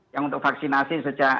yang untuk vaksinasi sejak